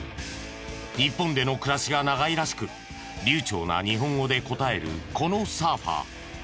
日本での暮らしが長いらしく流暢な日本語で答えるこのサーファー。